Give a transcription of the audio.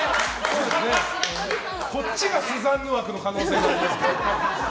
こっちがスザンヌ枠の可能性ありますね。